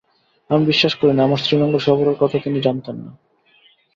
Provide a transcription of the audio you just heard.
আমি বিশ্বাস করি না, আমার শ্রীনগর সফরের কথা তিনি জানতেন না।